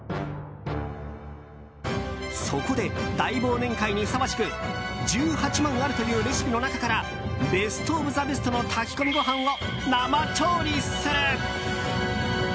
そこで、大忘年会にふさわしく１８万あるというレシピの中からベスト・オブ・ザ・ベストの炊き込みご飯を生調理する。